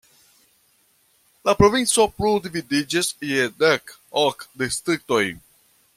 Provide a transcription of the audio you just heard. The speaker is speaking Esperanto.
La provinco plu dividiĝis je dek ok distriktoj.